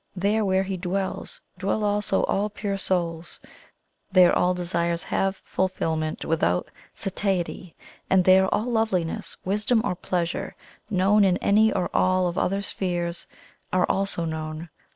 There where He dwells, dwell also all pure souls; there all desires have fulfilment without satiety, and there all loveliness, wisdom or pleasure known in any or all of the other spheres are also known.